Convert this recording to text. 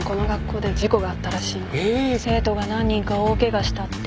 生徒が何人か大ケガしたって。